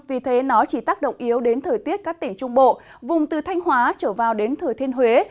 vì thế nó chỉ tác động yếu đến thời tiết các tỉnh trung bộ vùng từ thanh hóa trở vào đến thừa thiên huế